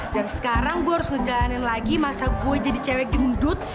dan sekarang gue harus ngejalanin lagi masa gue jadi cewek gemdut